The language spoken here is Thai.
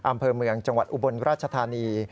อำเภอเมืองจังหวัดอุบลราชธานี